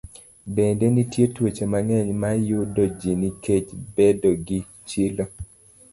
Bende, nitie tuoche mang'eny ma yudo ji nikech bedo gi chilo.